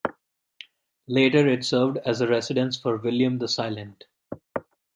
Later it served as a residence for William the Silent.